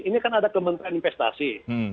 ini kan ada kementerian investasi